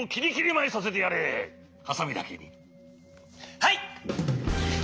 はい！